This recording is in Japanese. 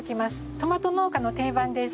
トマト農家の定番です。